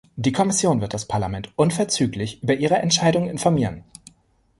Die Kommission wird das Parlament unverzüglich über ihre Entscheidung informieren.